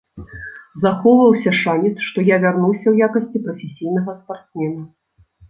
Захоўваўся шанец, што я вярнуся ў якасці прафесійнага спартсмена.